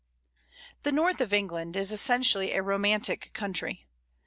The North of England it essentially a romantic country.